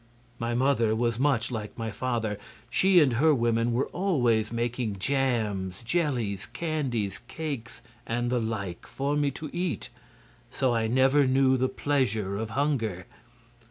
"My mother was much like my father. She and her women were always making jams, jellies, candies, cakes and the like for me to eat; so I never knew the pleasure of hunger.